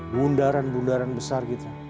bundaran bundaran besar gitu